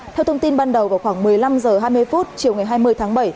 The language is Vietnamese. theo thông tin ban đầu vào khoảng một mươi năm h hai mươi chiều ngày hai mươi tháng bảy